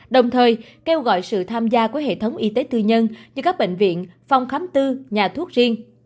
đồng thời kêu gọi sự tham gia của hệ thống y tế tư nhân như các bệnh viện phòng khám tư nhà thuốc riêng